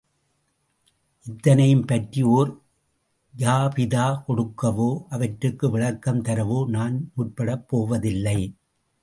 இத்தனையையும் பற்றி ஒரு ஜாபிதா கொடுக்கவோ, அவற்றுக்கு விளக்கம் தரவோ நான் முற்படப் போவதில்லை.